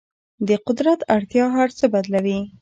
د قدرت اړتیا هر څه بدلوي.